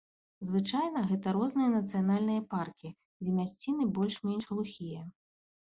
Звычайна гэта розныя нацыянальныя паркі, дзе мясціны больш-менш глухія.